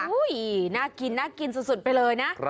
น่ากินน่ากินสุดไปเลยนะ